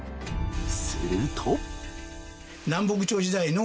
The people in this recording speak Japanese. すると